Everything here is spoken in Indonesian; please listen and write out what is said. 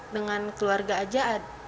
dengan keluarga aja